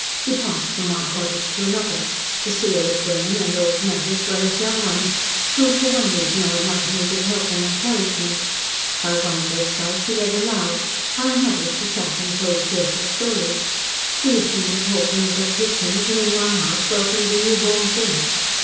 She passed from one cottage to another to see old women, and old men, as well as young ones, who for one reason or another needed help and encouragement. By one bedside she read aloud; by another she sat and told cheerful stories; she listened to talk in little kitchens, and in one house welcomed a newborn thing.